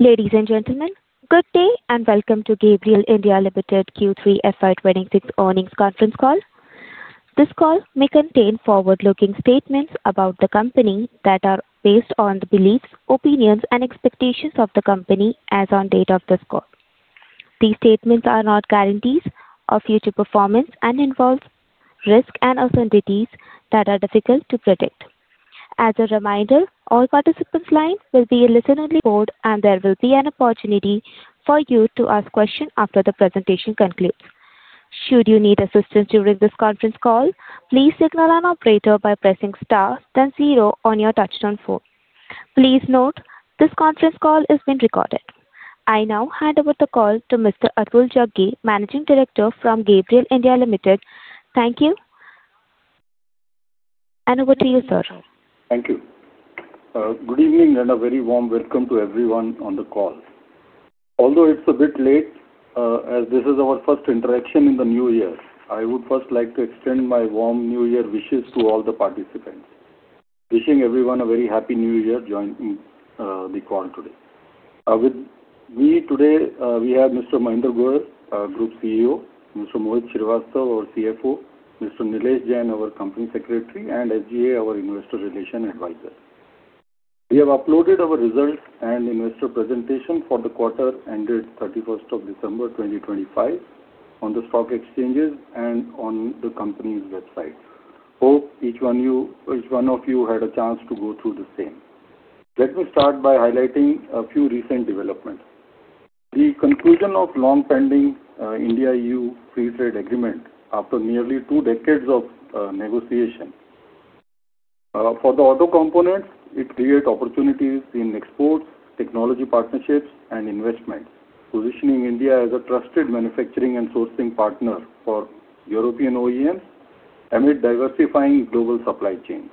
Ladies and gentlemen, good day and welcome to Gabriel India Limited Q3 FY 2026 earnings conference call. This call may contain forward-looking statements about the company that are based on the beliefs, opinions, and expectations of the company as on date of this call. These statements are not guarantees of future performance and involve risk and uncertainties that are difficult to predict. As a reminder, all participants' line will be in listen-only mode, and there will be an opportunity for you to ask questions after the presentation concludes. Should you need assistance during this conference call, please signal an operator by pressing star, then zero on your touch-tone phone. Please note, this conference call is being recorded. I now hand over the call to Mr. Atul Jaggi, Managing Director from Gabriel India Limited. Thank you, and over to you, sir. Thank you. Good evening and a very warm welcome to everyone on the call. Although it's a bit late, as this is our first interaction in the new year, I would first like to extend my warm new year wishes to all the participants. Wishing everyone a very happy new year joining the call today. With me today, we have Mr. Mahendra Goyal, Group CEO; Mr. Mohit Srivastava, our CFO; Mr. Nilesh Jain, our Company Secretary; and SGA, our Investor Relations Advisor. We have uploaded our results and investor presentation for the quarter ended 31st of December 2025 on the stock exchanges and on the company's website. Hope each one of you had a chance to go through the same. Let me start by highlighting a few recent developments. The conclusion of long-pending India-EU free trade agreement after nearly two decades of negotiation. For the auto components, it created opportunities in exports, technology partnerships, and investments, positioning India as a trusted manufacturing and sourcing partner for European OEMs amid diversifying global supply chains.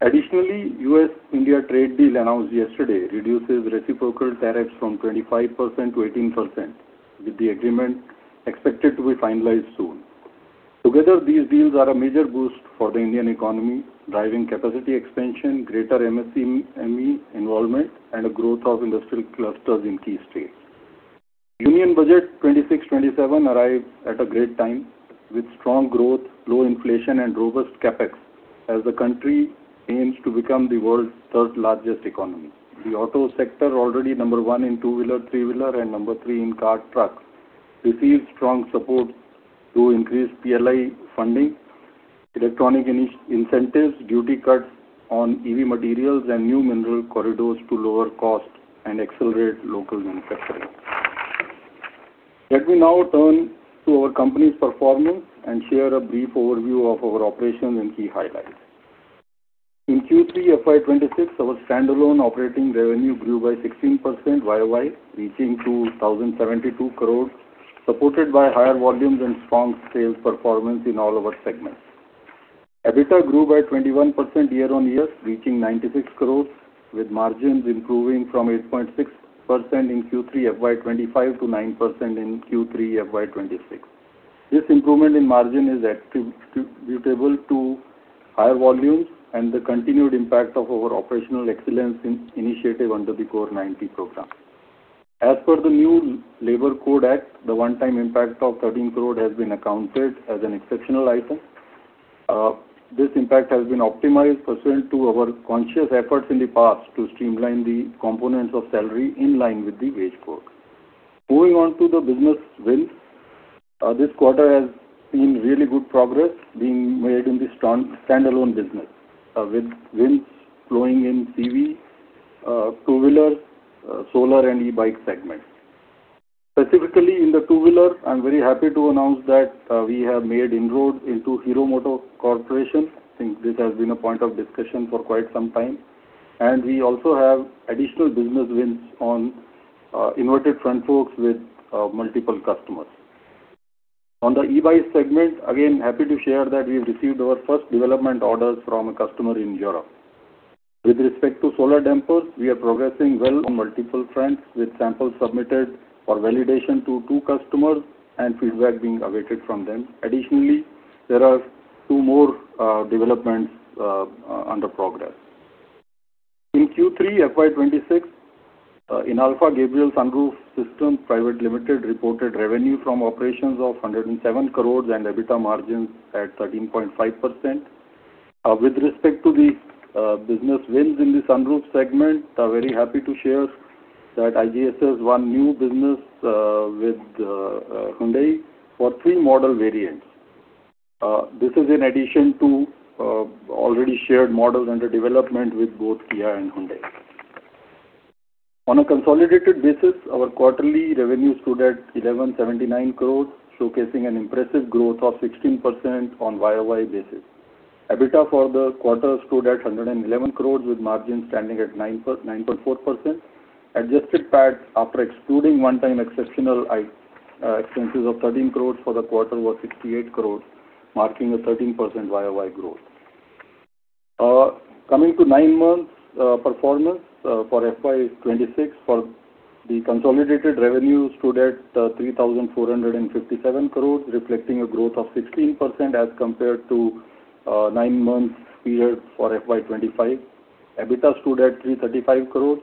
Additionally, the U.S.-India trade deal announced yesterday reduces reciprocal tariffs from 25%-18%, with the agreement expected to be finalized soon. Together, these deals are a major boost for the Indian economy, driving capacity expansion, greater MSME involvement, and a growth of industrial clusters in key states. Union Budget 2026-2027 arrived at a great time, with strong growth, low inflation, and robust CapEx as the country aims to become the world's third-largest economy. The auto sector, already number one in two-wheeler, three-wheeler, and number three in car trucks, receives strong support through increased PLI funding, electronic incentives, duty cuts on EV materials, and new mineral corridors to lower cost and accelerate local manufacturing. Let me now turn to our company's performance and share a brief overview of our operations and key highlights. In Q3 FY 2026, our standalone operating revenue grew by 16% year-on-year, reaching 2,072 crores, supported by higher volumes and strong sales performance in all our segments. EBITDA grew by 21% year-on-year, reaching 96 crores, with margins improving from 8.6% in Q3 FY 2025 to 9% in Q3 FY 2026. This improvement in margin is attributable to higher volumes and the continued impact of our operational excellence initiative under the CORE 90 program. As per the new Labor Code Act, the one-time impact of 13 crores has been accounted as an exceptional item. This impact has been optimized pursuant to our conscious efforts in the past to streamline the components of salary in line with the [wage quote]. Moving on to the business wins, this quarter has seen really good progress being made in the standalone business, with wins flowing in CV, two-wheeler, solar, and e-bike segments. Specifically in the two-wheeler, I'm very happy to announce that we have made inroads into Hero MotoCorp Limited. I think this has been a point of discussion for quite some time. We also have additional business wins on inverted front forks with multiple customers. On the e-bike segment, again, happy to share that we've received our first development orders from a customer in Europe. With respect to solar dampers, we are progressing well on multiple fronts, with samples submitted for validation to two customers and feedback being awaited from them. Additionally, there are two more developments under progress. In Q3 FY 2026, Inalfa Gabriel Sunroof Systems Pvt. Ltd. reported revenue from operations of 107 crore and EBITDA margins at 13.5%. With respect to the business wins in the sunroof segment, very happy to share that IGSS won new business with Hyundai for three model variants. This is in addition to already shared models under development with both Kia and Hyundai. On a consolidated basis, our quarterly revenue stood at 1,179 crores, showcasing an impressive growth of 16% on year-on-year basis. EBITDA for the quarter stood at 111 crores, with margins standing at 9.4%. Adjusted PAT, after excluding one-time exceptional expenses of 13 crores for the quarter, was 68 crores, marking a 13% year-on-year growth. Coming to nine-month performance for FY 2026, the consolidated revenue stood at 3,457 crores, reflecting a growth of 16% as compared to a nine-month period for FY 2025. EBITDA stood at 335 crores,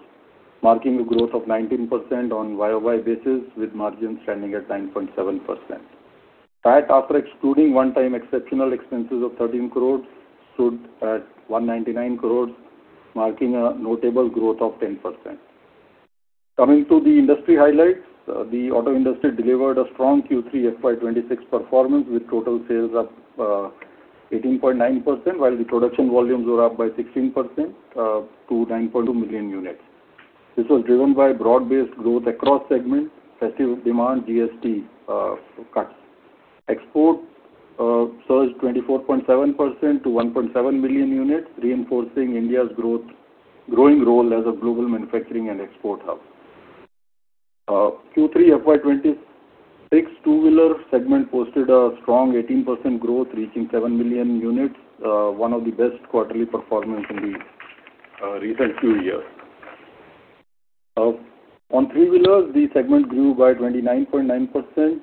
marking a growth of 19% on year-on-year basis, with margins standing at 9.7%. PAT, after excluding one-time exceptional expenses of 13 crores, stood at 199 crores, marking a notable growth of 10%. Coming to the industry highlights, the auto industry delivered a strong Q3 FY 2026 performance, with total sales up 18.9% while the production volumes were up by 16% to 9.2 million units. This was driven by broad-based growth across segments, festive demand, and GST cuts. Exports surged 24.7% to 1.7 million units, reinforcing India's growing role as a global manufacturing and export hub. Q3 FY 2026, two-wheeler segment posted a strong 18% growth, reaching 7 million units, one of the best quarterly performances in the recent few years. On three-wheelers, the segment grew by 29.9%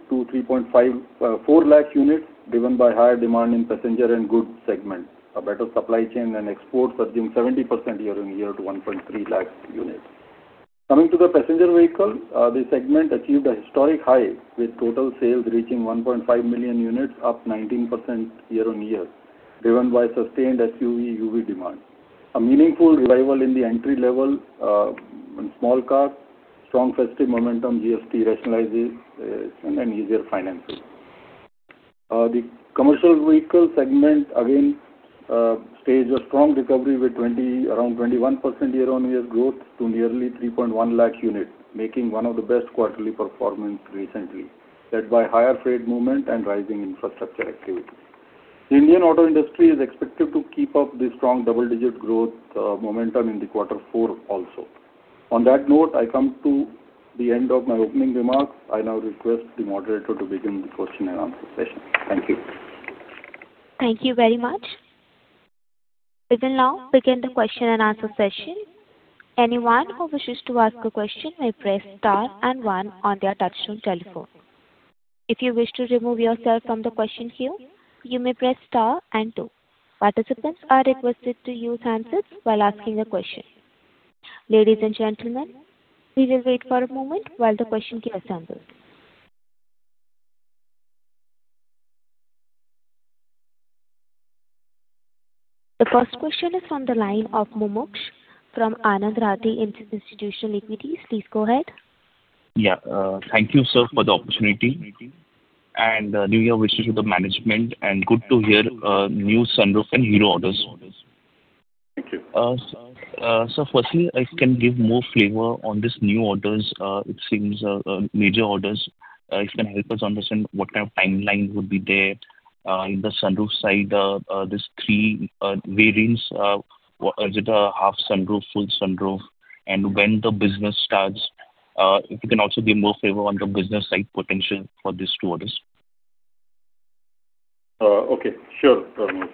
to 354,000 units, driven by higher demand in passenger and goods segments, a better supply chain and exports surging 70% year-on-year to 130,000 units. Coming to the passenger vehicle, the segment achieved a historic high, with total sales reaching 1.5 million units, up 19% year-on-year, driven by sustained SUV/UV demand, a meaningful revival in the entry-level small car, strong festive momentum, GST rationalization, and easier financing. The commercial vehicle segment, again, staged a strong recovery with around 21% year-on-year growth to nearly 310,000 units, making one of the best quarterly performances recently, led by higher freight movement and rising infrastructure activity. The Indian auto industry is expected to keep up this strong double-digit growth momentum in the quarter four also. On that note, I come to the end of my opening remarks. I now request the moderator to begin the question-and-answer session. Thank you. Thank you very much. We will now begin the question-and-answer session. Anyone who wishes to ask a question may press star and one on their touch-tone telephone. If you wish to remove yourself from the question queue, you may press star and two. Participants are requested to use hands-free while asking a question. Ladies and gentlemen, we will wait for a moment while the question queue assembles. The first question is from the line of Mumuksh from Anand Rathi, Institutional Equities. Please go ahead. Yeah. Thank you, sir, for the opportunity. New Year wishes to the management, and good to hear new sunroof and Hero orders. Thank you. Sir, firstly, if you can give more flavor on these new orders, it seems major orders, if you can help us understand what kind of timeline would be there in the sunroof side, these three variants, is it a half sunroof, full sunroof, and when the business starts? If you can also give more flavor on the business side potential for these two orders. Okay. Sure, Mumuksh.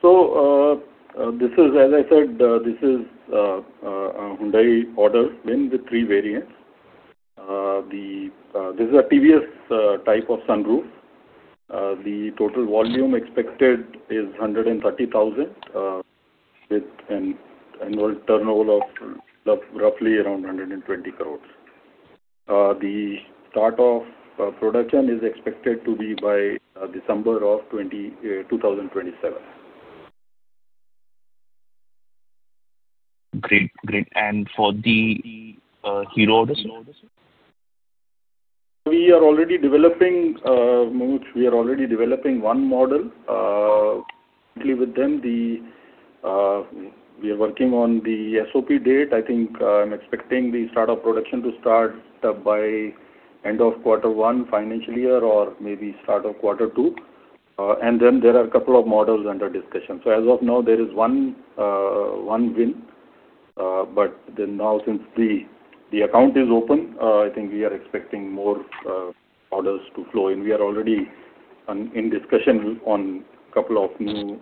So, as I said, this is a Hyundai order. Win with three variants. This is a TVS type of sunroof. The total volume expected is 130,000 with an annual turnover of roughly around 120 crores. The start of production is expected to be by December of 2027. Great. Great. And for the Hero orders? We are already developing, Mumuksh, we are already developing one model with them. We are working on the SOP date. I think I'm expecting the start of production to start by end of quarter one financial year or maybe start of quarter two. Then there are a couple of models under discussion. So, as of now, there is one win. But now, since the account is open, I think we are expecting more orders to flow in. We are already in discussion on a couple of new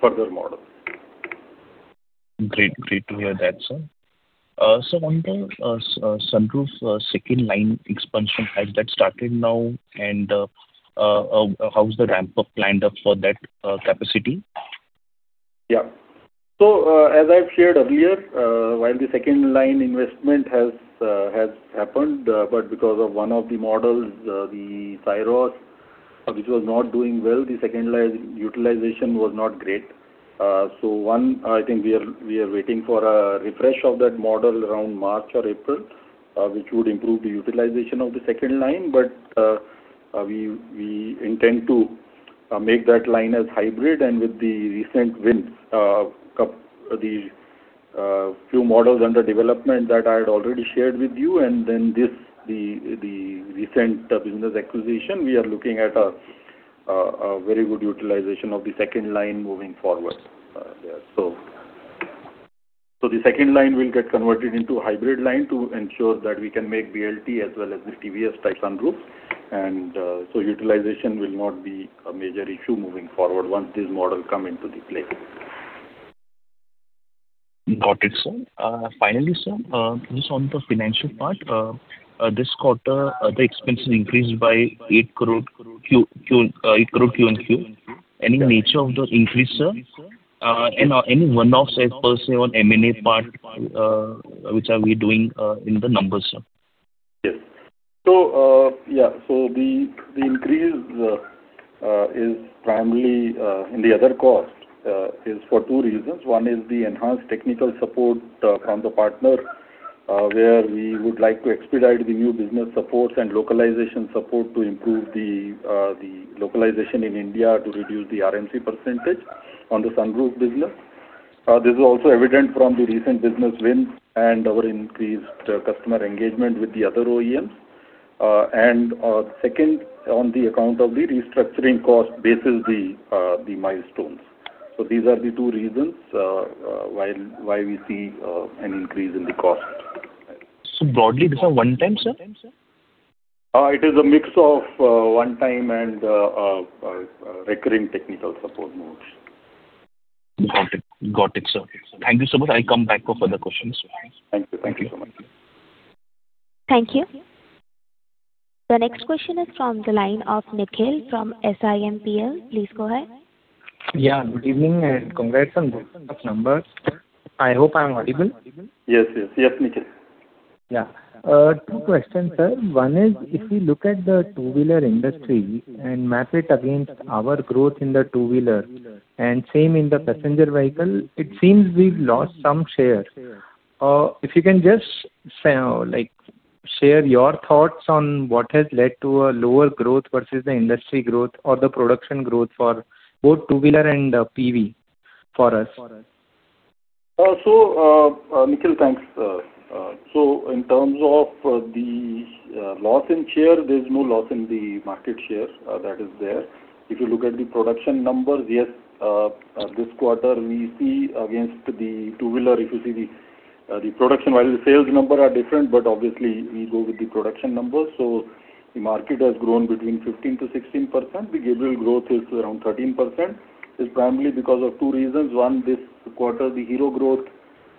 further models. Great. Great to hear that, sir. So, one more: sunroof second-line expansion, has that started now? And how's the ramp-up planned up for that capacity? Yeah. So, as I've shared earlier, while the second-line investment has happened, but because of one of the models, the Syros, which was not doing well, the second-line utilization was not great. So, one, I think we are waiting for a refresh of that model around March or April, which would improve the utilization of the second line. But we intend to make that line as hybrid. And with the recent wins, the few models under development that I had already shared with you, and then the recent business acquisition, we are looking at a very good utilization of the second line moving forward there. So, the second line will get converted into a hybrid line to ensure that we can make BLT as well as the TVS-type sunroofs. And so, utilization will not be a major issue moving forward once this model comes into play. Got it, sir. Finally, sir, just on the financial part, this quarter, the expenses increased by 8 crore Q-on-Q. Any nature of the increase, sir, and any one-offs per se on M&A part, which are we doing in the numbers, sir? Yes. So, yeah. So, the increase is primarily in the other cost is for two reasons. One is the enhanced technical support from the partner, where we would like to expedite the new business supports and localization support to improve the localization in India to reduce the RMC percentage on the sunroof business. This is also evident from the recent business win and our increased customer engagement with the other OEMs. And second, on the account of the restructuring cost basis, the milestones. So, these are the two reasons why we see an increase in the cost. Broadly, this is a one-time, sir? It is a mix of one-time and recurring technical support moves. Got it. Got it, sir. Thank you so much. I'll come back for further questions, sir. Thank you. Thank you so much. Thank you. The next question is from the line of Nikhil from SiMPL. Please go ahead. Yeah. Good evening and congrats on the numbers. I hope I'm audible. Yes. Yes. Yes, Nikhil. Yeah. Two questions, sir. One is, if we look at the two-wheeler industry and map it against our growth in the two-wheeler and same in the passenger vehicle, it seems we've lost some share. If you can just share your thoughts on what has led to a lower growth versus the industry growth or the production growth for both two-wheeler and PV for us. So, Nikhil, thanks. So, in terms of the loss in share, there's no loss in the market share that is there. If you look at the production numbers, yes, this quarter, we see against the two-wheeler, if you see the production while the sales number are different, but obviously, we go with the production numbers. So, the market has grown between 15%-16%. The Gabriel growth is around 13%. It's primarily because of two reasons. One, this quarter, the Hero growth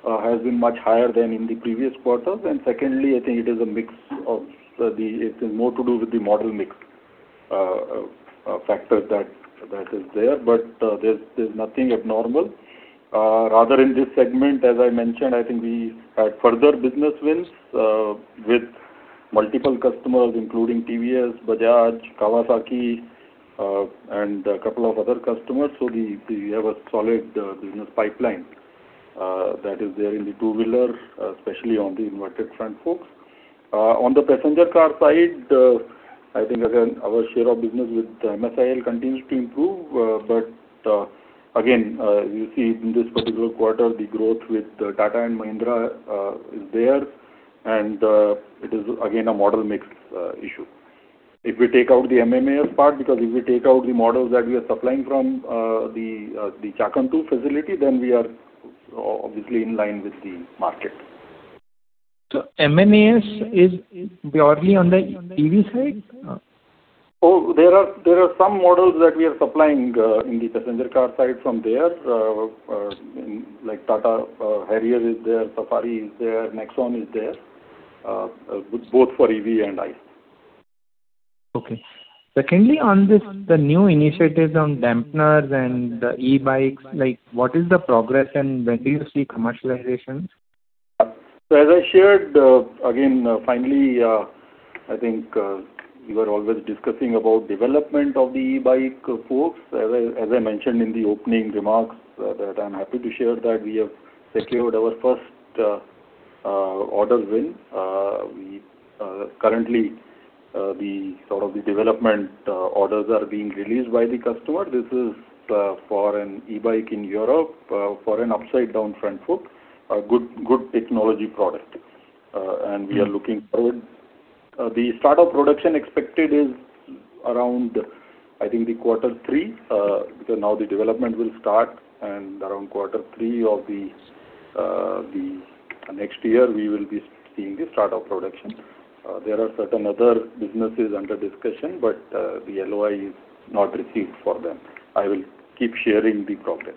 has been much higher than in the previous quarters. And secondly, I think it is a mix of the it's more to do with the model mix factor that is there, but there's nothing abnormal. Rather, in this segment, as I mentioned, I think we had further business wins with multiple customers, including TVS, Bajaj, Kawasaki, and a couple of other customers. So, we have a solid business pipeline that is there in the two-wheeler, especially on the inverted front forks. On the passenger car side, I think, again, our share of business with MSIL continues to improve. But again, you see in this particular quarter, the growth with Tata and Mahindra is there. And it is, again, a model mix issue. If we take out the MMAS part because if we take out the models that we are supplying from the Chakan 2 facility, then we are obviously in line with the market. MMAS is purely on the EV side? Oh, there are some models that we are supplying in the passenger car side from there, like Tata Harrier is there, Safari is there, Nexon is there, both for EV and ICE. Okay. Secondly, on the new initiatives on dampers and the e-bikes, what is the progress and where do you see commercialization? Yeah. So, as I shared, again, finally, I think we were always discussing about development of the e-bike forks. As I mentioned in the opening remarks, that I'm happy to share that we have secured our first order win. Currently, sort of the development orders are being released by the customer. This is for an e-bike in Europe for an upside-down front fork, a good technology product. And we are looking forward. The start of production expected is around, I think, quarter three because now the development will start. And around quarter three of the next year, we will be seeing the start of production. There are certain other businesses under discussion, but the LOI is not received for them. I will keep sharing the progress.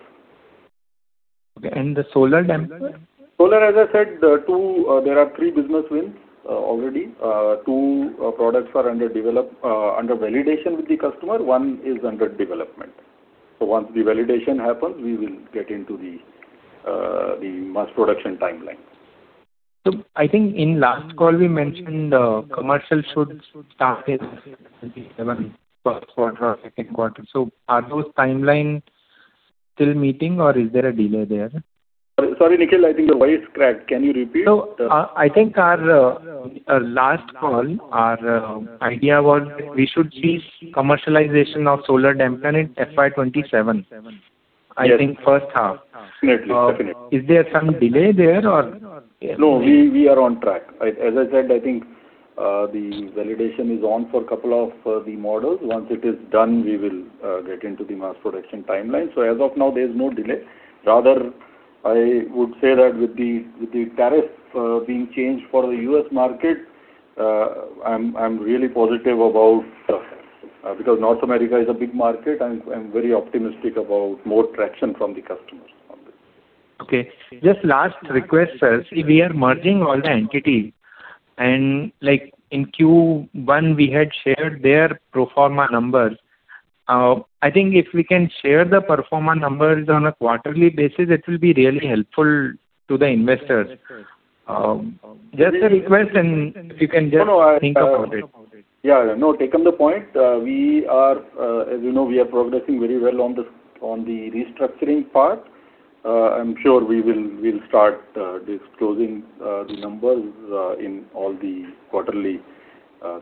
Okay. And the solar damper? Solar, as I said, there are three business wins already. Two products are under validation with the customer. One is under development. So, once the validation happens, we will get into the mass production timeline. So, I think in last call, we mentioned commercial should start in the second quarter or second quarter. So, are those timelines still meeting, or is there a delay there? Sorry, Nikhil, I think the voice cracked. Can you repeat? I think our last call, our idea was we should see commercialization of solar damper in FY 2027, I think, first half. Definitely. Definitely. Is there some delay there, or? No, we are on track. As I said, I think the validation is on for a couple of the models. Once it is done, we will get into the mass production timeline. So, as of now, there's no delay. Rather, I would say that with the tariff being changed for the U.S. market, I'm really positive about because North America is a big market. I'm very optimistic about more traction from the customers on this. Okay. Just last request, sir. We are merging all the entities. In Q1, we had shared their pro forma numbers. I think if we can share the pro forma numbers on a quarterly basis, it will be really helpful to the investors. Just a request, and if you can just think about it. Yeah. No, take on the point. As you know, we are progressing very well on the restructuring part. I'm sure we will start disclosing the numbers in all the quarterly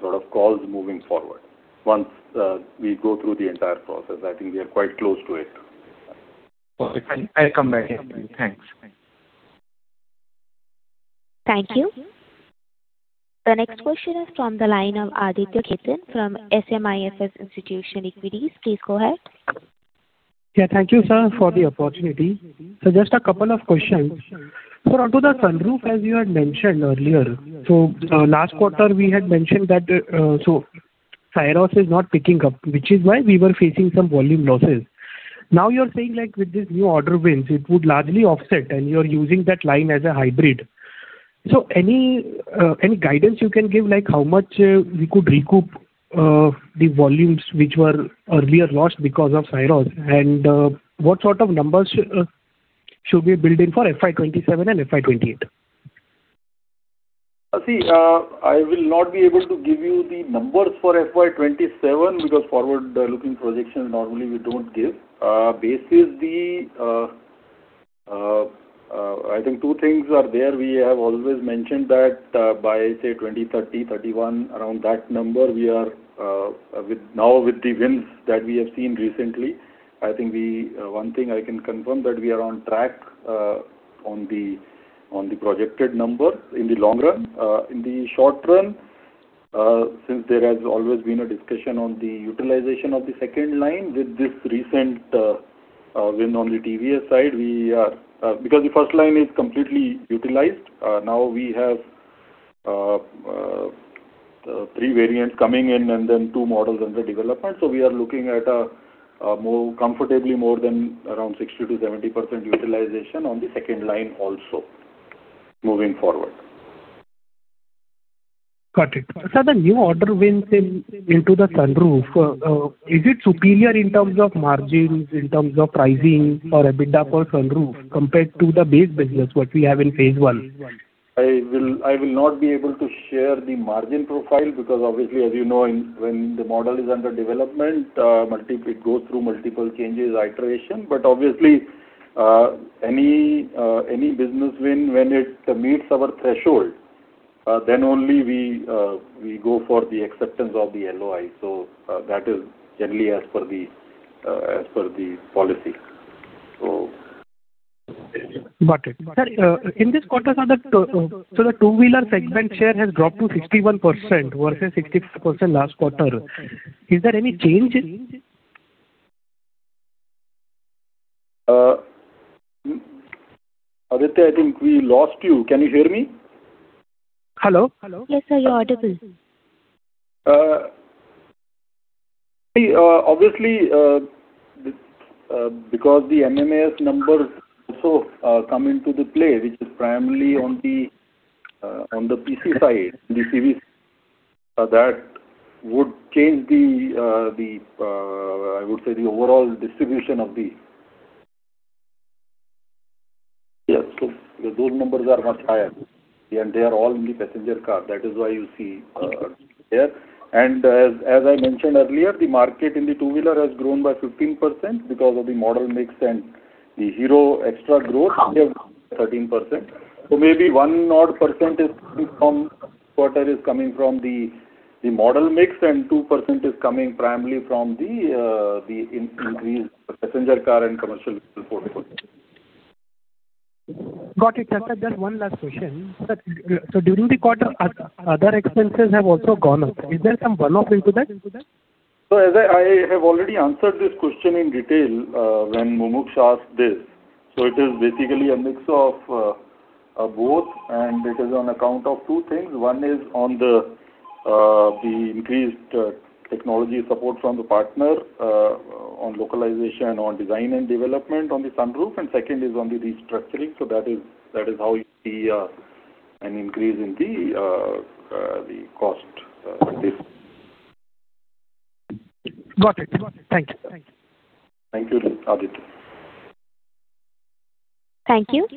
sort of calls moving forward once we go through the entire process. I think we are quite close to it. Well, I'll come back. Thanks. Thank you. The next question is from the line of Aditya Khetan from SMIFS Institutional Equities. Please go ahead. Yeah. Thank you, sir, for the opportunity. So, just a couple of questions. So, onto the sunroof, as you had mentioned earlier, so last quarter, we had mentioned that Syros is not picking up, which is why we were facing some volume losses. Now, you're saying with this new order wins, it would largely offset, and you're using that line as a hybrid. So, any guidance you can give how much we could recoup the volumes which were earlier lost because of Syros, and what sort of numbers should we build in for FY 2027 and FY2028? See, I will not be able to give you the numbers for FY 2027 because forward-looking projections, normally, we don't give. Basically, I think two things are there. We have always mentioned that by, say, 2030, 2031, around that number, now with the wins that we have seen recently, I think one thing I can confirm that we are on track on the projected number in the long run. In the short run, since there has always been a discussion on the utilization of the second line, with this recent win on the TVS side, we are because the first line is completely utilized. Now, we have three variants coming in and then two models under development. So, we are looking at comfortably more than around 60%-70% utilization on the second line also moving forward. Got it. Sir, the new order wins into the sunroof, is it superior in terms of margins, in terms of pricing, or EBITDA per sunroof compared to the base business, what we have in phase one? I will not be able to share the margin profile because, obviously, as you know, when the model is under development, it goes through multiple changes, iteration. Obviously, any business win, when it meets our threshold, then only we go for the acceptance of the LOI. That is generally as per the policy. Got it. Sir, in this quarter, sir, the two-wheeler segment share has dropped to 61% versus 65% last quarter. Is there any change? Aditya, I think we lost you. Can you hear me? Hello? Yes, sir. You're audible. Obviously, because the MMAS numbers also come into play, which is primarily on the PC side, the CV, that would change the, I would say, the overall distribution of the mix. So, those numbers are much higher, and they are all in the passenger car. That is why you see there. And as I mentioned earlier, the market in the two-wheeler has grown by 15% because of the model mix and the Hero extra growth. We have 13%. So, maybe 1 odd % from quarter is coming from the model mix, and 2% is coming primarily from the increased passenger car and commercial vehicle portfolio. Got it, sir. Sir, just one last question. During the quarter, other expenses have also gone up. Is there some one-off into that? So, as I have already answered this question in detail when Mumuksh asked this, so it is basically a mix of both, and it is on account of two things. One is on the increased technology support from the partner on localization, on design and development on the sunroof, and second is on the restructuring. So, that is how you see an increase in the cost. Got it. Got it. Thank you. Thank you. Thank you, Aditya. Thank you.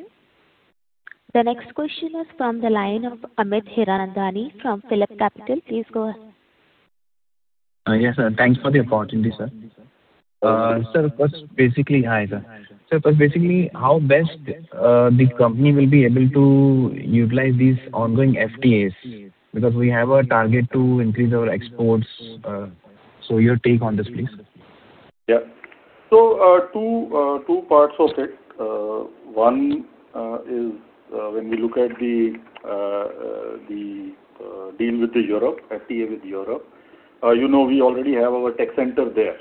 The next question is from the line of Amit Hiranandani from PhillipCapital. Please go ahead. Yes, sir. Thanks for the opportunity, sir. Sir, first, basically, how best the company will be able to utilize these ongoing FTAs because we have a target to increase our exports. So, your take on this, please? Yeah. So, two parts of it. One is when we look at the deal with Europe, FTA with Europe. You know we already have our tech center there.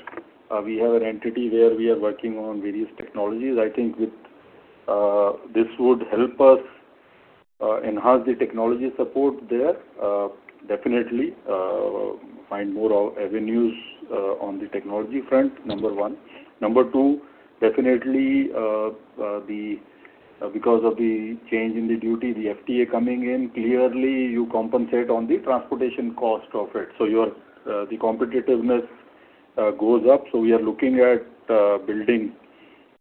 We have an entity where we are working on various technologies. I think this would help us enhance the technology support there, definitely, find more avenues on the technology front, number one. Number two, definitely, because of the change in the duty, the FTA coming in, clearly, you compensate on the transportation cost of it. So, the competitiveness goes up. So, we are looking at building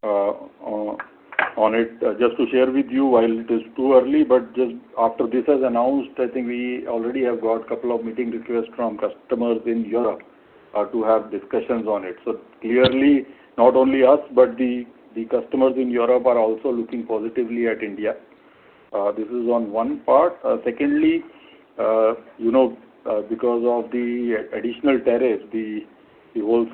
on it. Just to share with you, while it is too early, but just after this is announced, I think we already have got a couple of meeting requests from customers in Europe to have discussions on it. So, clearly, not only us, but the customers in Europe are also looking positively at India. This is on one part. Secondly, because of the additional tariff, the whole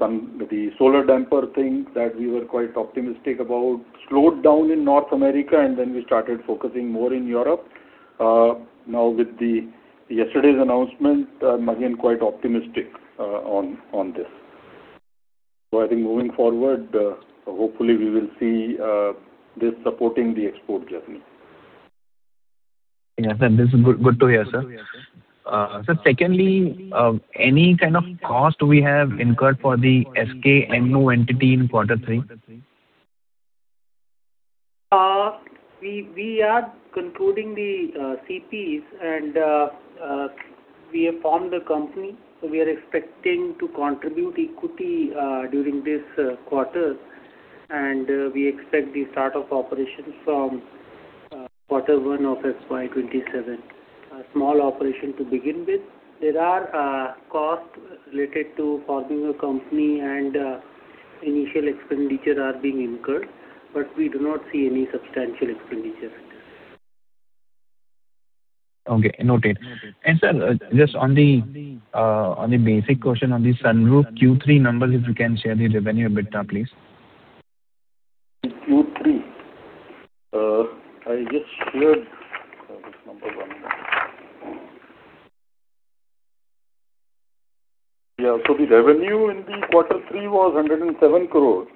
solar damper thing that we were quite optimistic about slowed down in North America, and then we started focusing more in Europe. Now, with yesterday's announcement, I'm again quite optimistic on this. So, I think moving forward, hopefully, we will see this supporting the export journey. Yeah. Sir, this is good to hear, sir. Sir, secondly, any kind of cost we have incurred for the SKMO entity in quarter three? We are concluding the CPs, and we have formed the company. We are expecting to contribute equity during this quarter, and we expect the start of operations from quarter one of FY2027, a small operation to begin with. There are costs related to forming a company, and initial expenditure is being incurred, but we do not see any substantial expenditure in this. Okay. Noted. And sir, just on the basic question, on the sunroof Q3 numbers, if you can share the revenue EBITDA, please? In Q3, I just shared this number one more. Yeah. So, the revenue in the quarter three was 107 crore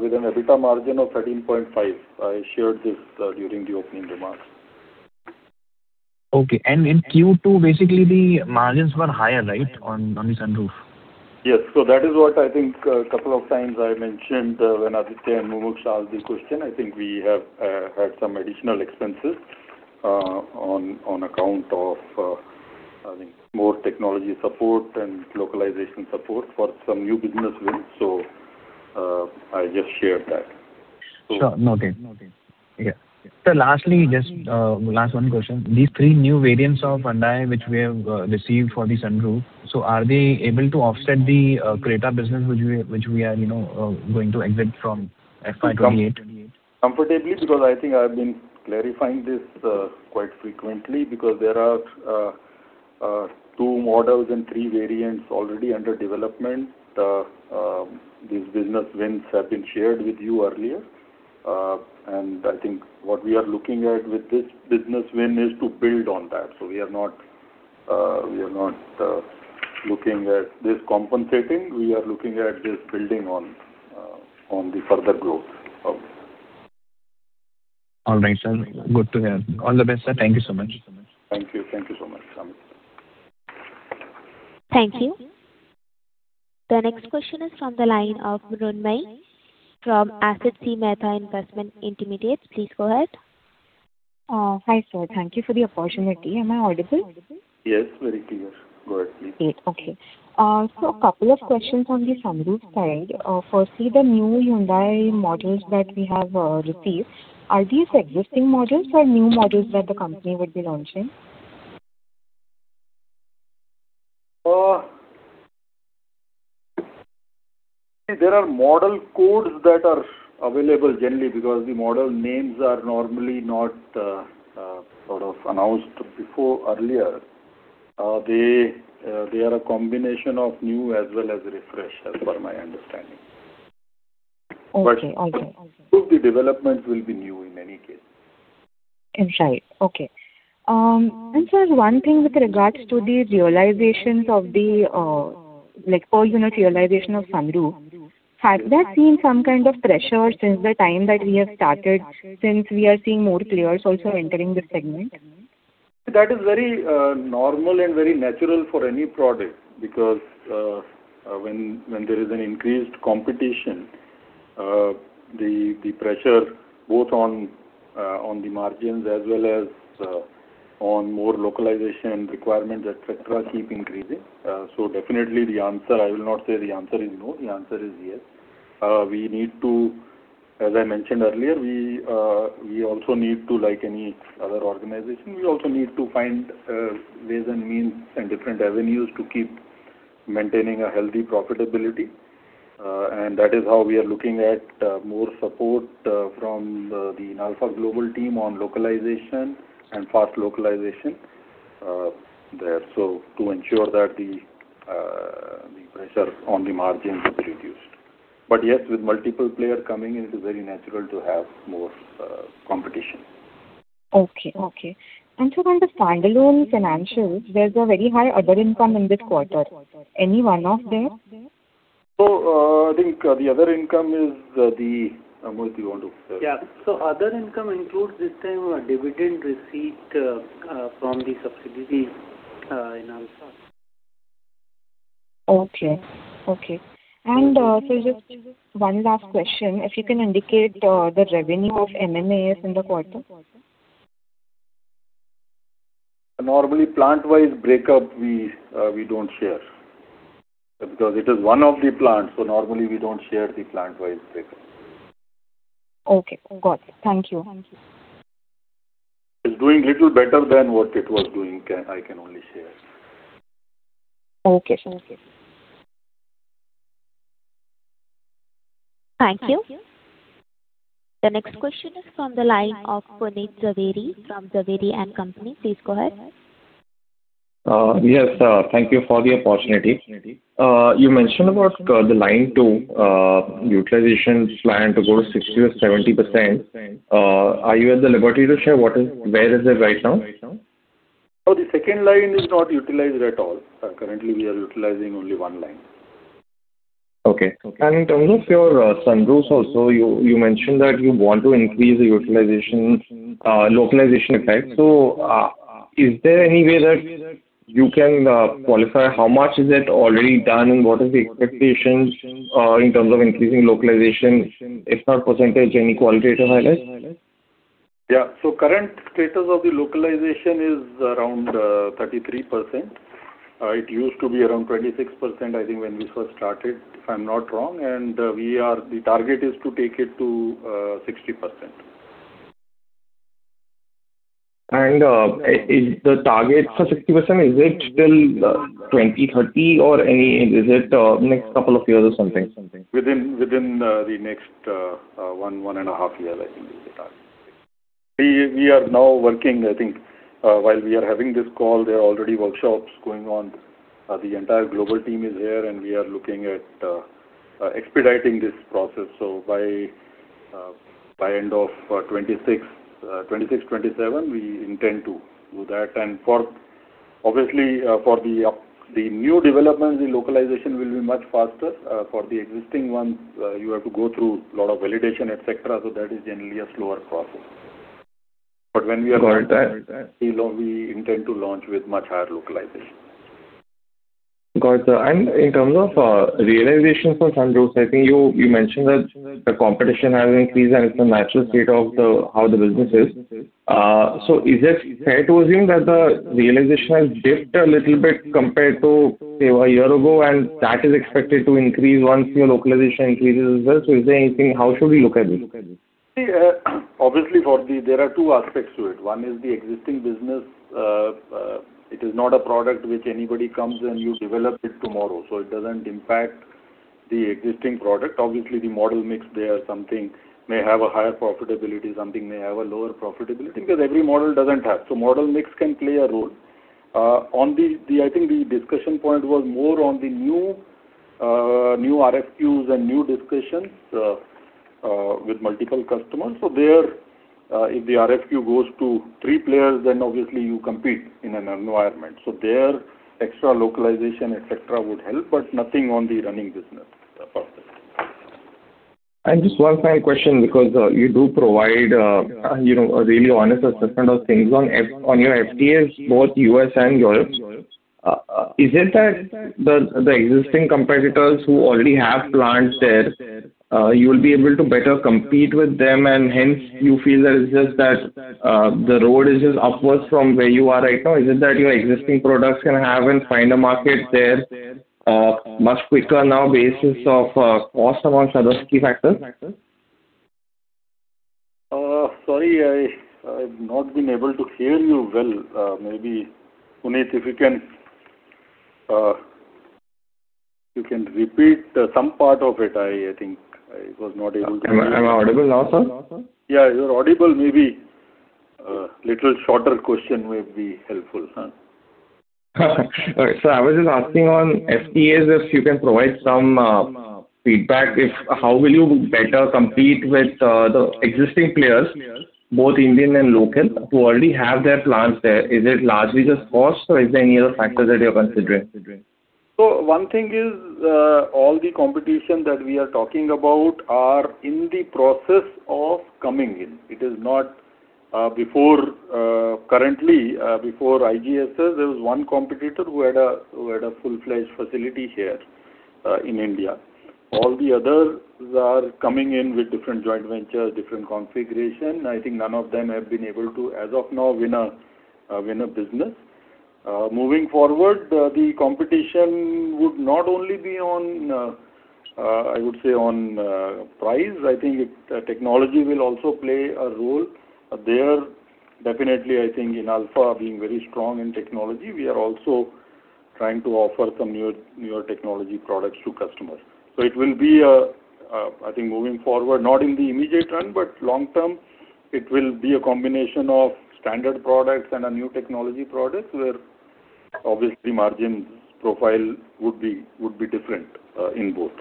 with an EBITDA margin of 13.5%. I shared this during the opening remarks. Okay. In Q2, basically, the margins were higher, right, on the sunroof? Yes. So, that is what I think a couple of times I mentioned when Aditya and Mumuksh asked the question. I think we have had some additional expenses on account of, I think, more technology support and localization support for some new business wins. So, I just shared that. Sure. Noted. Yeah. Sir, lastly, just last one question. These three new variants of Hyundai, which we have received for the sunroof, so are they able to offset the Creta business, which we are going to exit from FY 2028? Comfortably because I think I've been clarifying this quite frequently because there are two models and three variants already under development. These business wins have been shared with you earlier. I think what we are looking at with this business win is to build on that. We are not looking at this compensating. We are looking at this building on the further growth of it. All right, sir. Good to hear. All the best, sir. Thank you so much. Thank you. Thank you so much, Amit. Thank you. The next question is from the line of [Varun] from Asit C. Mehta Investment Intermediates Ltd. Please go ahead. Hi, sir. Thank you for the opportunity. Am I audible? Yes, very clear. Go ahead, please. Great. Okay. So, a couple of questions on the sunroof side. For the new Hyundai models that we have received. Are these existing models or new models that the company would be launching? See, there are model codes that are available generally because the model names are normally not sort of announced before earlier. They are a combination of new as well as refreshed, as per my understanding. But all the developments will be new in any case. Right. Okay. And sir, one thing with regards to the realizations of the per-unit realization of sunroof, have there been some kind of pressure since the time that we have started, since we are seeing more players also entering the segment? That is very normal and very natural for any product because when there is an increased competition, the pressure both on the margins as well as on more localization requirements, etc., keeps increasing. So, definitely, I will not say the answer is no. The answer is yes. As I mentioned earlier, we also need to, like any other organization, we also need to find ways and means and different avenues to keep maintaining a healthy profitability. And that is how we are looking at more support from the Inalfa Global team on localization and fast localization there to ensure that the pressure on the margins is reduced. But yes, with multiple players coming in, it is very natural to have more competition. Okay. Okay. And sir, on the standalone financials, there's a very high other income in this quarter. Any one of them? So, I think the other income is the what do you want to say? Yeah. So, other income includes this time dividend receipt from the subsidiaries in Inalfa. Okay. Okay. Sir, just one last question. If you can indicate the revenue of MMAS in the quarter? Normally, plant-wise breakup, we don't share because it is one of the plants. Normally, we don't share the plant-wise breakup. Okay. Got it. Thank you. It's doing little better than what it was doing. I can only share. Okay. Okay. Thank you. The next question is from the line of [Puneet Jhaveri from Jhaveri & Company]. Please go ahead. Yes, sir. Thank you for the opportunity. You mentioned about the line two, utilization plan to go to 60% or 70%. Are you at the liberty to share where is it right now? No, the second line is not utilized at all. Currently, we are utilizing only one line. Okay. And in terms of your sunroof also, you mentioned that you want to increase the localization effect. So, is there any way that you can qualify how much is it already done and what is the expectation in terms of increasing localization, if not percentage, any qualitative highlights? Yeah. Current status of the localization is around 33%. It used to be around 26%, I think, when we first started, if I'm not wrong. The target is to take it to 60%. The target for 60%, is it still 20%, 30%, or is it next couple of years or something? Within the next one and a half years, I think, is the target. We are now working, I think, while we are having this call, there are already workshops going on. The entire global team is here, and we are looking at expediting this process. So, by end of 2026, 2027, we intend to do that. And obviously, for the new developments, the localization will be much faster. For the existing ones, you have to go through a lot of validation, etc. So, that is generally a slower process. But when we are done, we intend to launch with much higher localization. Got it, sir. And in terms of realization for sunroofs, I think you mentioned that the competition has increased, and it's a natural state of how the business is. So, is it fair to assume that the realization has dipped a little bit compared to, say, a year ago, and that is expected to increase once your localization increases as well? So, is there anything? How should we look at this? See, obviously, there are two aspects to it. One is the existing business. It is not a product which anybody comes and you develop it tomorrow. So, it doesn't impact the existing product. Obviously, the model mix there may have a higher profitability. Something may have a lower profitability because every model doesn't have. So, model mix can play a role. I think the discussion point was more on the new RFQs and new discussions with multiple customers. So, if the RFQ goes to three players, then obviously, you compete in an environment. So, their extra localization, etc., would help, but nothing on the running business part of it. Just one final question because you do provide a really honest assessment of things on your FTAs, both U.S. and Europe. Is it that the existing competitors who already have plants there, you will be able to better compete with them, and hence, you feel that it's just that the road is just upwards from where you are right now? Is it that your existing products can have and find a market there on a much quicker now basis of cost amongst other key factors? Sorry, I've not been able to hear you well. Maybe, Puneet, if you can repeat some part of it? I think I was not able to hear you. Am I audible now, sir? Yeah, you're audible. Maybe a little shorter question may be helpful. Perfect. All right. So, I was just asking on FTAs if you can provide some feedback. How will you better compete with the existing players, both Indian and local, who already have their plants there? Is it largely just cost, or is there any other factors that you're considering? So, one thing is all the competition that we are talking about are in the process of coming in. It is not currently before IGSS. There was one competitor who had a full-fledged facility here in India. All the others are coming in with different joint ventures, different configurations. I think none of them have been able to, as of now, win a business. Moving forward, the competition would not only be on, I would say, on price. I think technology will also play a role there. Definitely, I think in Inalfa being very strong in technology, we are also trying to offer some newer technology products to customers. So, it will be, I think, moving forward, not in the immediate run, but long-term, it will be a combination of standard products and a new technology product where, obviously, margin profile would be different in both.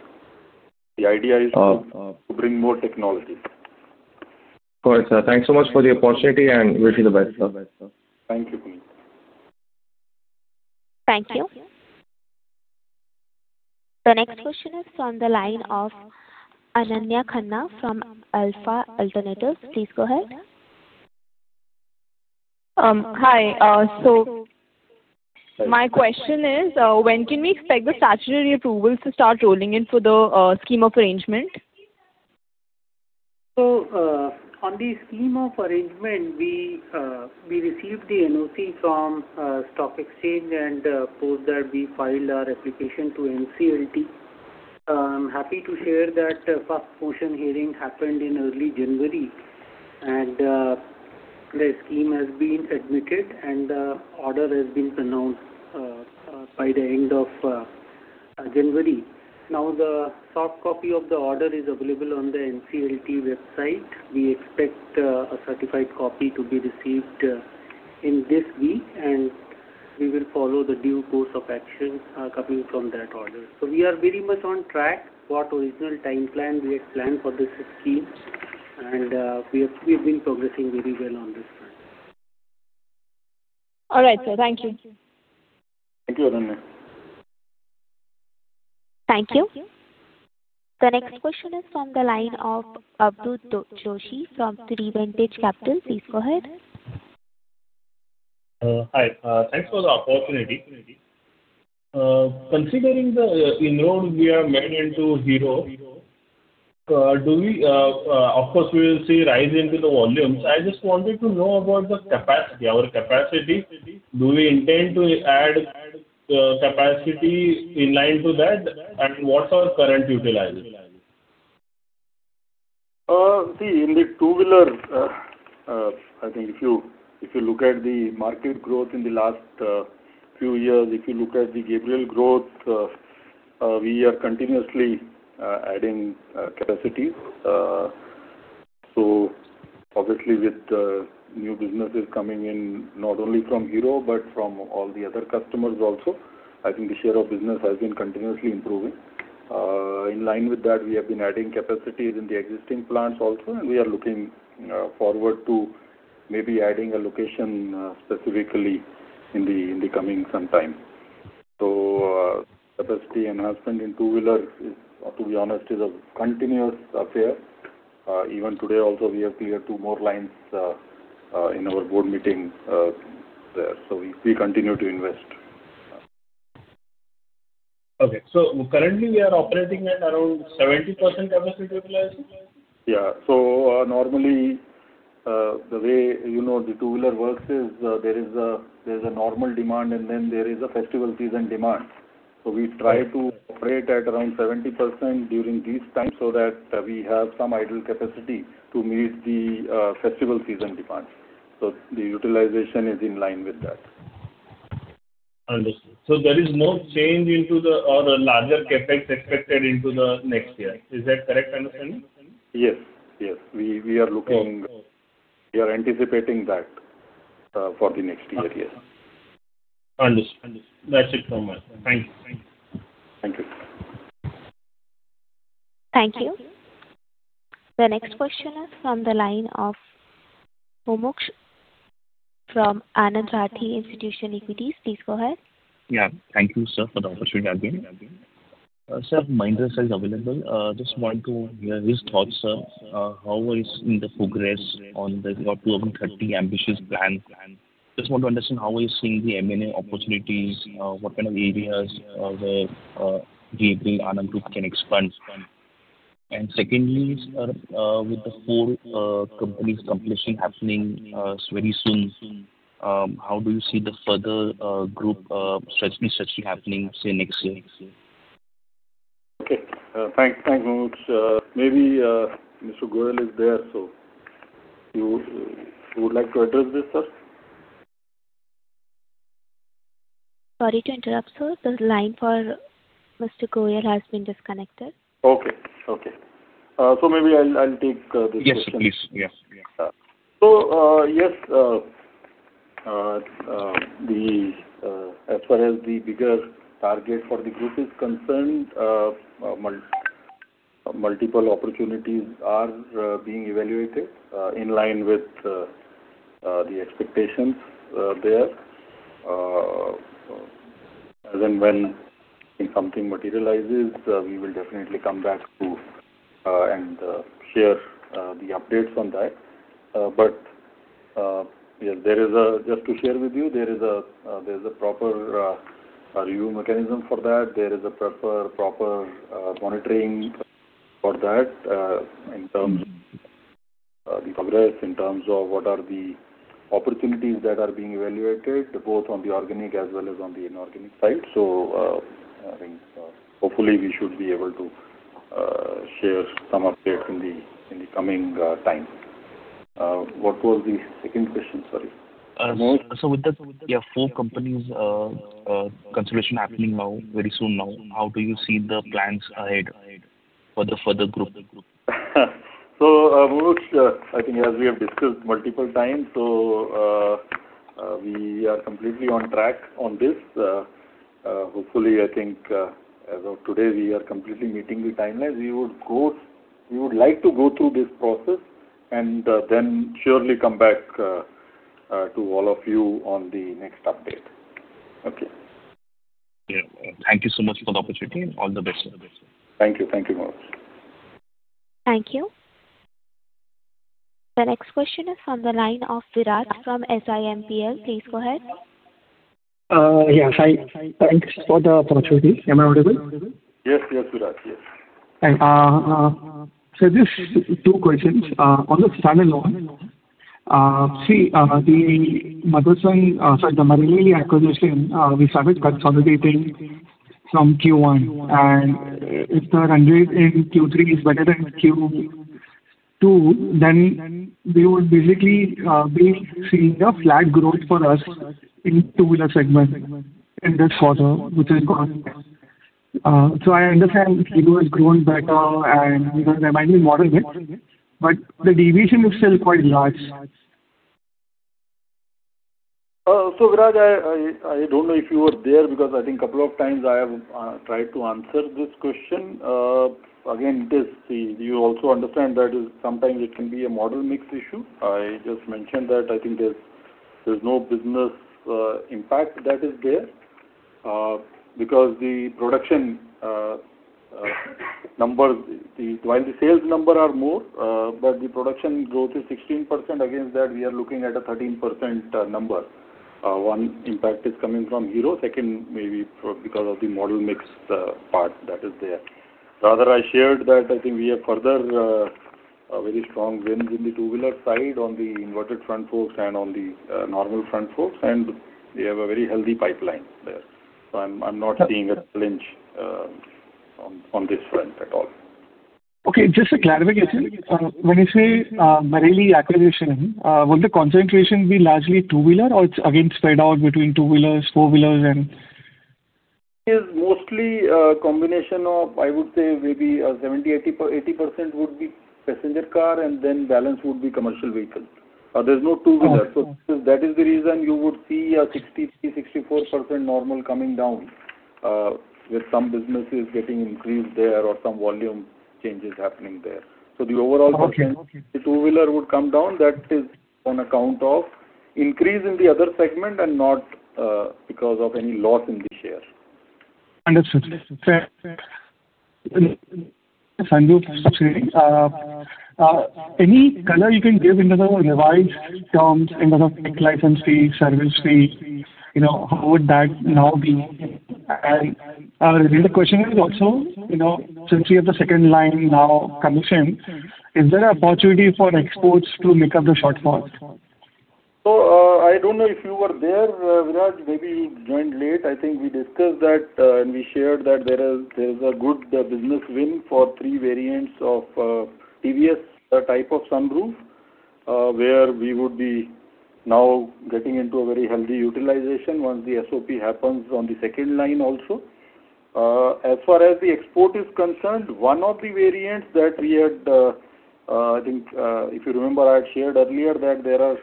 The idea is to bring more technology. All right, sir. Thanks so much for the opportunity, and wish you the best, sir. Thank you, Puneet. Thank you. The next question is from the line of Ananya Khanna from Alpha Alternatives. Please go ahead. Hi. So, my question is, when can we expect the statutory approvals to start rolling in for the scheme of arrangement? So, on the scheme of arrangement, we received the NOC from Stock Exchange, and post that we filed our application to NCLT. I'm happy to share that the first motion hearing happened in early January, and the scheme has been admitted, and the order has been pronounced by the end of January. Now, the soft copy of the order is available on the NCLT website. We expect a certified copy to be received in this week, and we will follow the due course of action coming from that order. So, we are very much on track. With original time plan we had planned for this scheme, and we have been progressing very well on this front. All right, sir. Thank you. Thank you, Ananya. Thank you. The next question is from the line of Avadhoot Joshi from 3P Investment Managers. Please go ahead. Hi. Thanks for the opportunity. Considering the enrollment we are made into Hero, of course, we will see a rise in the volumes. I just wanted to know about our capacity. Do we intend to add capacity in line to that, and what's our current utilization? See, in the two-wheeler, I think if you look at the market growth in the last few years, if you look at the Gabriel growth, we are continuously adding capacity. So, obviously, with new businesses coming in not only from Hero but from all the other customers also, I think the share of business has been continuously improving. In line with that, we have been adding capacity in the existing plants also, and we are looking forward to maybe adding a location specifically in the coming some time. So, capacity enhancement in two-wheeler, to be honest, is a continuous affair. Even today also, we have cleared two more lines in our board meeting there. So, we continue to invest. Okay. So, currently, we are operating at around 70% capacity utilization? Yeah. So, normally, the way the two-wheeler works is there is a normal demand, and then there is a festival season demand. So, we try to operate at around 70% during these times so that we have some idle capacity to meet the festival season demands. So, the utilization is in line with that. Understood. So, there is no change into the or larger CapEx expected into the next year. Is that correct understanding? Yes. Yes. We are anticipating that for the next year. Yes. Understood. That's it from us. Thank you. Thank you. Thank you. The next question is from the line of Mumuksh from Anand Rathi Institutional Equities. Please go ahead. Yeah. Thank you, sir, for the opportunity again. Sir, Mahindra sales available. Just want to hear his thoughts, sir. How is the progress on the 2030 ambitious plan? Just want to understand how are you seeing the M&A opportunities? What kind of areas where Gabriel Anand Group can expand? And secondly, with the four companies' completion happening very soon, how do you see the further group stretching happening, say, next year? Okay. Thanks, Mumuksh. Maybe Mr. Goyal is there, so he would like to address this, sir. Sorry to interrupt, sir. The line for Mr. Goyal has been disconnected. Okay. Okay. So, maybe I'll take this question. Yes, please. Yes. Yes. So, yes, as far as the bigger target for the group is concerned, multiple opportunities are being evaluated in line with the expectations there. And then when something materializes, we will definitely come back and share the updates on that. But yes, just to share with you, there is a proper review mechanism for that. There is a proper monitoring for that in terms of the progress, in terms of what are the opportunities that are being evaluated, both on the organic as well as on the inorganic side. So, hopefully, we should be able to share some updates in the coming time. What was the second question? Sorry. With the four companies' consideration happening very soon now, how do you see the plans ahead for the further group? So, Mumuksh, I think as we have discussed multiple times, so we are completely on track on this. Hopefully, I think as of today, we are completely meeting the timelines. We would like to go through this process and then surely come back to all of you on the next update. Okay. Yeah. Thank you so much for the opportunity. All the best, sir. Thank you. Thank you very much. Thank you. The next question is from the line of Virat from SiMPL. Please go ahead. Yes. Thanks for the opportunity. Am I audible? Yes. Yes, Virat. Yes. Sir, just two questions. On the standalone, see, the Marelli acquisition, we started consolidating from Q1. If the run rate in Q3 is better than Q2, then we would basically be seeing a flat growth for us in the two-wheeler segment in this quarter, which is good. I understand Hero has grown better, and we can remind the model mix, but the deviation is still quite large. So, Virat, I don't know if you were there because I think a couple of times I have tried to answer this question. Again, see, you also understand that sometimes it can be a model mix issue. I just mentioned that I think there's no business impact that is there because the production numbers, while the sales number are more, but the production growth is 16%. Against that, we are looking at a 13% number. One impact is coming from Hero. Second, maybe because of the model mix part that is there. Rather, I shared that I think we have further very strong wins in the two-wheeler side on the inverted front forks and on the normal front forks, and we have a very healthy pipeline there. So, I'm not seeing a clinch on this front at all. Okay. Just a clarification. When you say Marelli acquisition, will the concentration be largely two-wheeler, or it's again spread out between two-wheelers, four-wheelers, and? It is mostly a combination of, I would say, maybe 70%-80% would be passenger car, and then balance would be commercial vehicle. There's no two-wheeler. So, that is the reason you would see a 63%-64% normal coming down with some businesses getting increased there or some volume changes happening there. So, the overall percentage two-wheeler would come down. That is on account of increase in the other segment and not because of any loss in the share. Understood. Thank you. Any color you can give into the revised terms in terms of tech license fee, service fee, how would that now be? The question is also, since we have the second line now commissioned, is there an opportunity for exports to make up the shortfall? I don't know if you were there, Virat. Maybe you joined late. I think we discussed that and we shared that there is a good business win for three variants of TVS type of sunroof where we would be now getting into a very healthy utilization once the SOP happens on the second line also. As far as the export is concerned, one of the variants that we had, I think if you remember, I had shared earlier that there are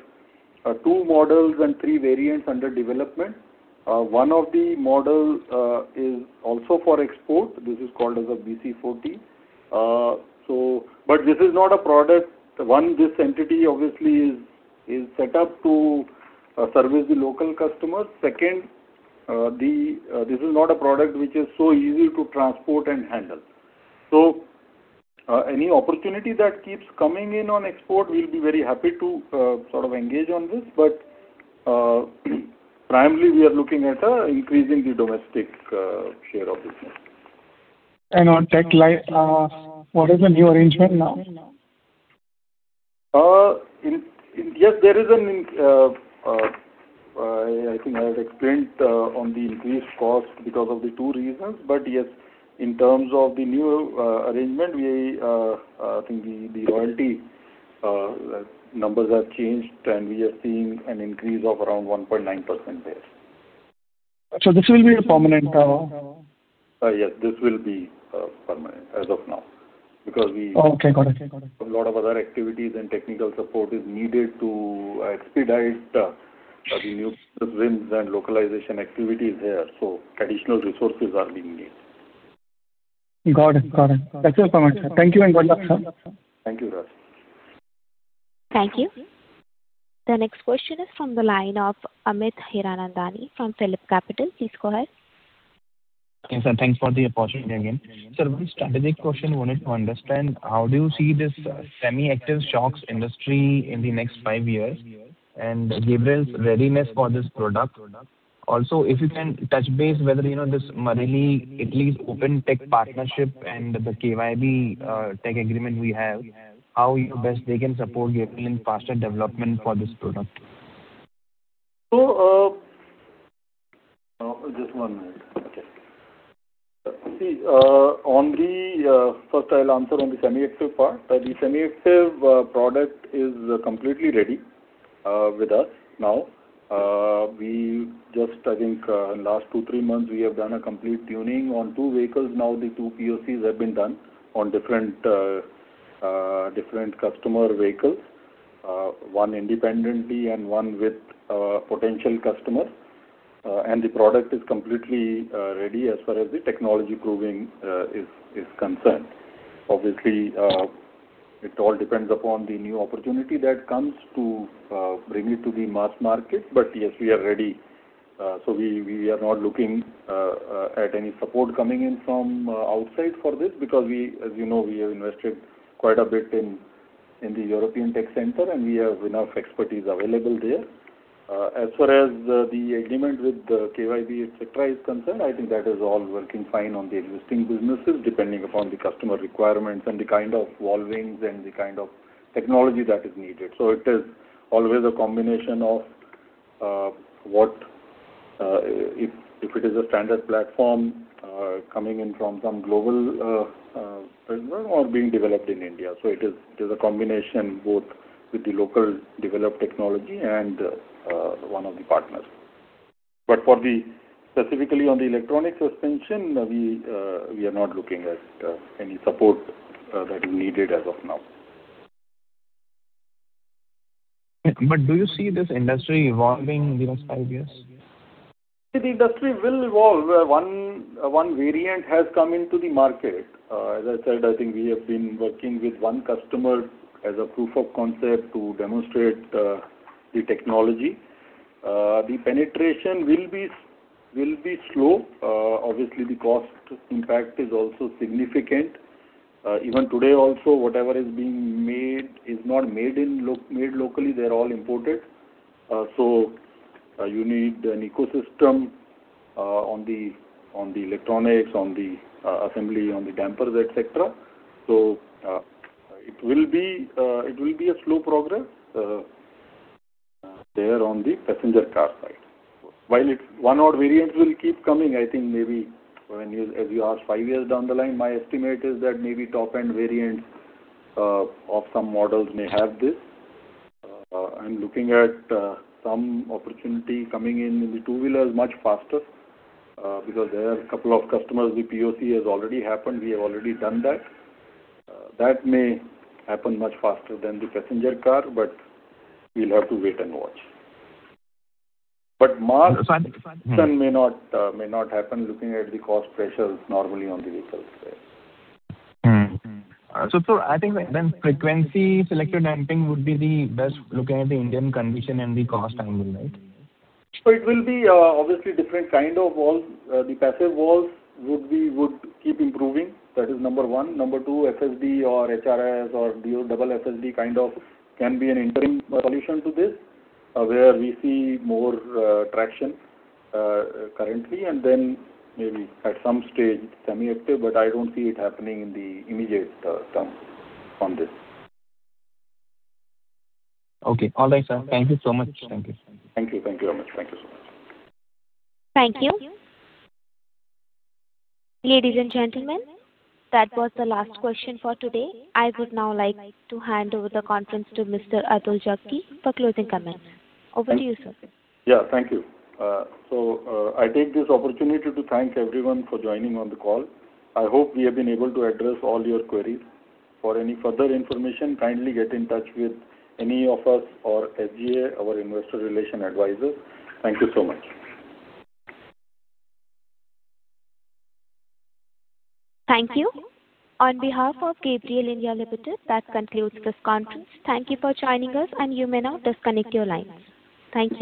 two models and three variants under development. One of the models is also for export. This is called as a BC40. But this is not a product one, this entity obviously is set up to service the local customers. Second, this is not a product which is so easy to transport and handle. So, any opportunity that keeps coming in on export, we'll be very happy to sort of engage on this. But primarily, we are looking at increasing the domestic share of business. On tech line, what is the new arrangement now? Yes, there is. And I think I had explained on the increased cost because of the two reasons. But yes, in terms of the new arrangement, I think the royalty numbers have changed, and we are seeing an increase of around 1.9% there. This will be a permanent? Yes, this will be permanent as of now because we have a lot of other activities, and technical support is needed to expedite the new business wins and localization activities here. So, additional resources are being needed. Got it. Got it. That's all from us, sir. Thank you and good luck, sir. Thank you, Virat. Thank you. The next question is from the line of Amit Hiranandani from PhillipCapital. Please go ahead. Yes, sir. Thanks for the opportunity again. Sir, one strategic question. I wanted to understand, how do you see this Semi-Active Shocks industry in the next five years and Gabriel's readiness for this product? Also, if you can touch base whether this Marelli-Italy open tech partnership and the KYB tech agreement we have, how best they can support Gabriel in faster development for this product? So, just one minute. Okay. See, first, I'll answer on the semi-active part. The semi-active product is completely ready with us now. I think in the last two, three months, we have done a complete tuning on two vehicles. Now, the two POCs have been done on different customer vehicles, one independently and one with potential customers. And the product is completely ready as far as the technology proving is concerned. Obviously, it all depends upon the new opportunity that comes to bring it to the mass market. But yes, we are ready. So, we are not looking at any support coming in from outside for this because, as you know, we have invested quite a bit in the European tech center, and we have enough expertise available there. As far as the agreement with the KYB, etc., is concerned, I think that is all working fine on the existing businesses depending upon the customer requirements and the kind of evolvings and the kind of technology that is needed. So, it is always a combination of if it is a standard platform coming in from some global or being developed in India. So, it is a combination both with the local developed technology and one of the partners. But specifically on the electronic suspension, we are not looking at any support that is needed as of now. But do you see this industry evolving in the next five years? See, the industry will evolve. One variant has come into the market. As I said, I think we have been working with one customer as a proof of concept to demonstrate the technology. The penetration will be slow. Obviously, the cost impact is also significant. Even today also, whatever is being made is not made locally. They're all imported. So, you need an ecosystem on the electronics, on the assembly, on the dampers, etc. So, it will be a slow progress there on the passenger car side. While one odd variant will keep coming, I think maybe as you are five years down the line, my estimate is that maybe top-end variants of some models may have this. I'm looking at some opportunity coming in in the two-wheelers much faster because there are a couple of customers. The POC has already happened. We have already done that. That may happen much faster than the passenger car, but we'll have to wait and watch. But mass consumption may not happen looking at the cost pressures normally on the vehicles there. So, sir, I think then frequency selective damping would be the best looking at the Indian condition and the cost angle, right? So, it will be obviously different kind of walls. The passive walls would keep improving. That is number one. Number two, FSD or HRS or double FSD kind of can be an interim solution to this where we see more traction currently and then maybe at some stage semi-active, but I don't see it happening in the immediate terms on this. Okay. All right, sir. Thank you so much. Thank you. Thank you. Thank you very much. Thank you so much. Thank you. Ladies and gentlemen, that was the last question for today. I would now like to hand over the conference to Mr. Atul Jaggi for closing comments. Over to you, sir. Yeah. Thank you. So, I take this opportunity to thank everyone for joining on the call. I hope we have been able to address all your queries. For any further information, kindly get in touch with any of us or SGA, our Investor Relations Advisor. Thank you so much. Thank you. On behalf of Gabriel India Limited, that concludes this conference. Thank you for joining us, and you may now disconnect your lines. Thank you.